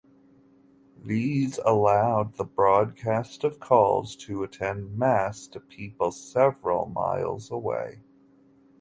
These allowed the broadcast of calls to attend Mass to people several miles away.